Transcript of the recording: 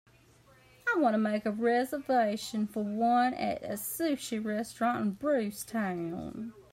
I want to make a reservation for one at a sushi restaurant in Brucetown